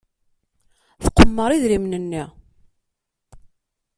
Tqemmer idrimen-nni.